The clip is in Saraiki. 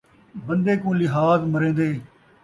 بندے کوں لحاظ مریندے